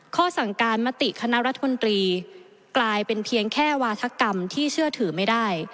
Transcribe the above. ข้อสั่งการมติคณะรัฐมนตรีกลายเป็นเพียงแค่วาธกรรมที่เชื่อถือไม่ได้